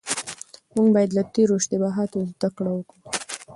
موږ بايد له تېرو اشتباهاتو زده کړه وکړو.